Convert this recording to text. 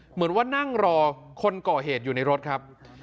เหมือนว่านั่งรอคนก่อเหตุอยู่ในรถครับ